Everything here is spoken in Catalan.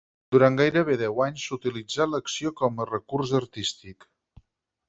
Durant gairebé deu anys utilitzarà l'acció com a recurs artístic.